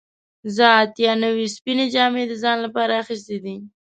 زه اتیا نوي سپینې جامې د ځان لپاره اخیستې دي.